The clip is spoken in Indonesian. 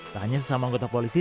tak hanya sesama anggota polisi